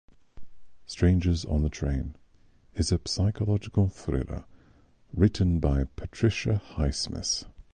"Strangers on a Train" is a psychological thriller written by Patricia Highsmith.